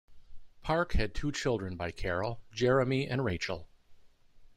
Park had two children by Carol, Jeremy and Rachael.